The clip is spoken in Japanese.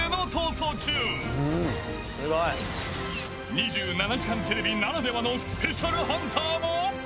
［『２７時間テレビ』ならではのＳＰハンターも！］